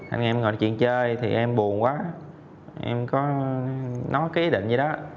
anh em ngồi nói chuyện chơi thì em buồn quá em có nói cái ý định như đó